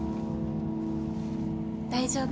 大丈夫。